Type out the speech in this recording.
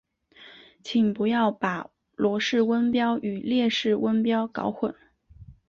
请不要把罗氏温标与列氏温标搞混。